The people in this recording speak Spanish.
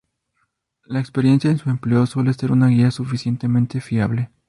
La experiencia en su empleo suele ser una guía suficientemente fiable.